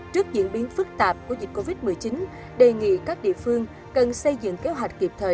trước diễn biến phức tạp của dịch covid một mươi chín đề nghị các địa phương cần xây dựng kế hoạch kịp thời